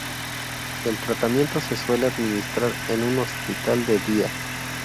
El tratamiento se suele administrar en un hospital de día.